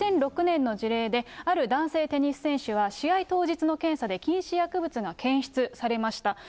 ２００６年の事例で、ある男性テニス選手は、試合当日の検査で禁止薬物が検出されました。